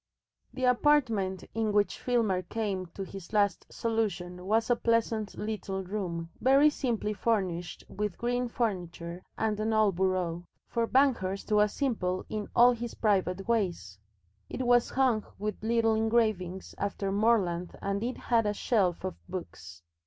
The apartment in which Filmer came to his last solution was a pleasant little room very simply furnished with green furniture and an old bureau for Banghurst was simple in all his private ways. It was hung with little engravings after Morland and it had a shelf of books.